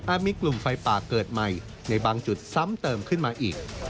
มีกลุ่มไฟป่าเกิดใหม่ในบางจุดซ้ำเติมขึ้นมาอีก